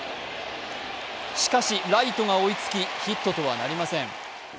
しかしライトが追いつき、ヒットとはなりません。